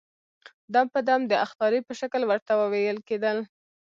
دم په دم د اخطارې په شکل ورته وويل کېدل.